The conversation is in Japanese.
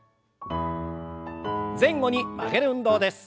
前後に曲げる運動です。